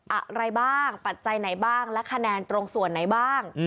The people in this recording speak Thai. อะไรบ้างปัจจัยไหนบ้างและคะแนนตรงส่วนไหนบ้าง